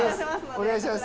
お願いします。